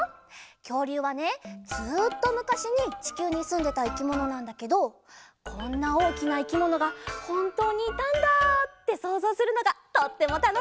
きょうりゅうはねずっとむかしにちきゅうにすんでたいきものなんだけどこんなおおきないきものがほんとうにいたんだってそうぞうするのがとってもたのしいんだ！